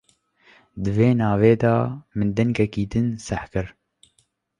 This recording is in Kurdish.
Di vê navê de min dengekî din seh kir.